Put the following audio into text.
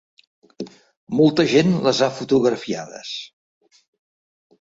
Molta gent les han fotografiades.